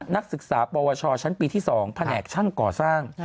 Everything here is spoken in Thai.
นักศึกษาปวชชั้นปีที่๒แผนกช่างก่อสร้าง